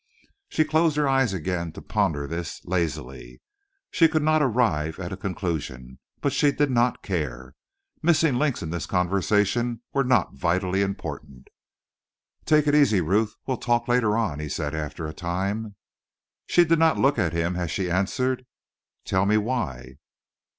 She closed her eyes again to ponder this, lazily. She could not arrive at a conclusion, but she did not care. Missing links in this conversation were not vitally important. "Take it easy, Ruth; we'll talk later on," he said after a time. She did not look at him as she answered: "Tell me why?"